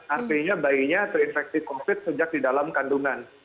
artinya bayinya terinfeksi covid sejak di dalam kandungan